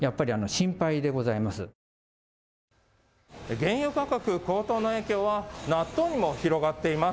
原油価格高騰の影響は納豆にも広がっています。